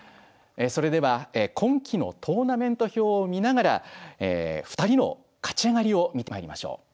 それでは今期のトーナメント表を見ながら２人の勝ち上がりを見てまいりましょう。